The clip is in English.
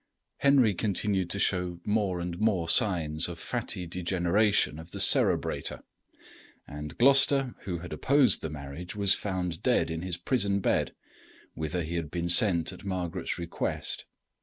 Henry continued to show more and more signs of fatty degeneration of the cerebrator, and Gloucester, who had opposed the marriage, was found dead in his prison bed, whither he had been sent at Margaret's request.